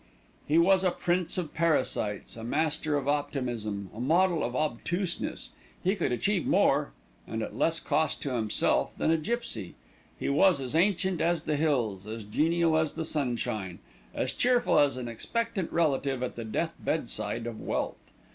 He was a prince of parasites, a master of optimism, a model of obtuseness, he could achieve more, and at less cost to himself, than a Gypsy. He was as ancient as the hills, as genial as the sunshine, as cheerful as an expectant relative at the death bedside of wealth.